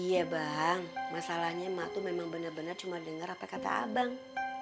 iya bang masalahnya emak tuh memang bener bener cuma denger apa kata abang